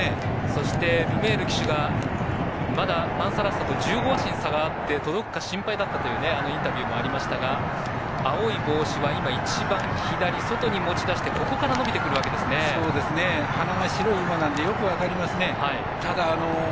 そして、ルメール騎手がまだパンサラッサと１５馬身差があって届くか心配だったというインタビューもありましたが青い帽子は、一番左外に持ち出して鼻が白い馬なのでよく分かりますね。